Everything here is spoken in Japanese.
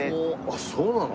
あっそうなの。